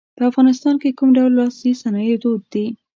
په افغانستان کې کوم ډول لاسي صنایع دود دي.